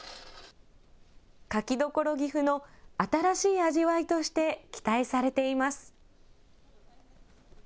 柿どころ岐阜の新しい味わいとして期待されています。